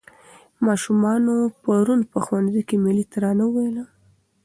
ماشومانو پرون په ښوونځي کې ملي ترانه وویله.